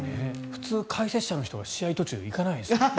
普通、解説者の人が試合途中で行かないですよね。